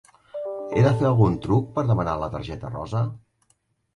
He de fer algun truc per demanar la targeta rosa?